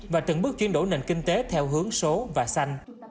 và từng bước chuyển đổi nền kinh tế theo hướng số và xanh